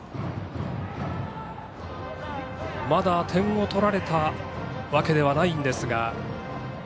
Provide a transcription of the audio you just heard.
まだ点を取られたわけではないんですが。